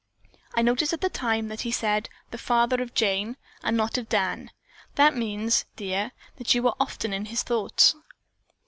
I noticed at the time that he said 'the father of Jane' and not of Dan. That means, dear, that you are often in his thoughts."